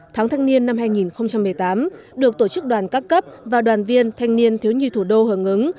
tháng thanh niên năm hai nghìn một mươi tám được tổ chức đoàn các cấp và đoàn viên thanh niên thiếu nhi thủ đô hưởng ứng